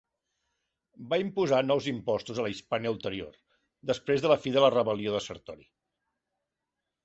Va imposar nous impostos a la Hispània Ulterior després de la fi de la rebel·lió de Sertori.